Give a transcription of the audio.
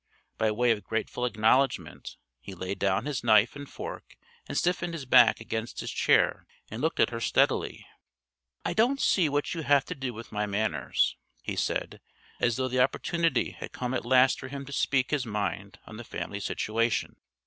By way of grateful acknowledgment, he laid down his knife and fork and stiffened his back against his chair and looked at her steadily: "I don't see what you have to do with my manners," he said, as though the opportunity had come at last for him to speak his mind on the family situation.